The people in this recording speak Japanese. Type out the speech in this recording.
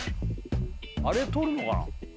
あれ取るのかな？